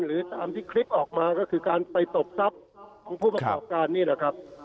หรือตามที่คลิปออกมาก็คือการไปตบทรัพย์ของผู้ประกอบการนี่แหละครับ